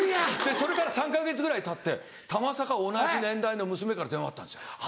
それから３か月ぐらいたってたまさか同じ年代の娘から電話あったんですよ。